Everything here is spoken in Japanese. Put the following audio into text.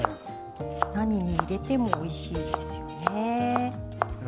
何に入れてもおいしいですよね。